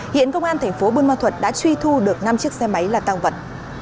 hiện công an thành phố bôn ma thuật đã truy thu được năm chiếc xe máy là tăng vật